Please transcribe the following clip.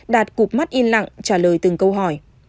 đạt cục mắt in lặng trả lời từng câu hỏi